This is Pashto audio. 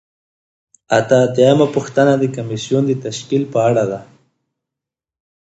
اته اتیا یمه پوښتنه د کمیسیون د تشکیل په اړه ده.